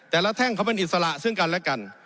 แท่งเขาเป็นอิสระซึ่งกันและกัน